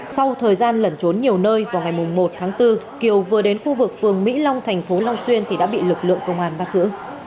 sau thời gian lẩn trốn nhiều nơi vào ngày một tháng bốn kiều vừa đến khu vực phường mỹ long thành phố long xuyên thì đã bị lực lượng công an bắt giữ